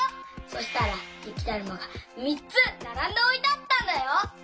そしたらゆきだるまがみっつならんでおいてあったんだよ。